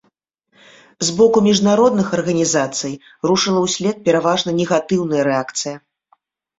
З боку міжнародных арганізацый рушыла ўслед пераважна негатыўная рэакцыя.